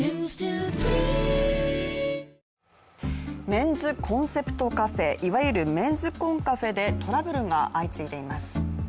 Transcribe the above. メンズコンセプトカフェいわゆるメンズコンカフェでトラブルが相次いでいます。